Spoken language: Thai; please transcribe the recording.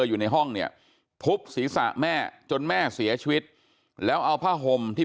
อยู่ในห้องเนี่ยทุบศีรษะแม่จนแม่เสียชีวิตแล้วเอาผ้าห่มที่